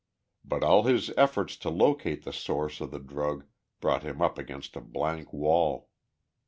But all his efforts to locate the source of the drug brought him up against a blank wall.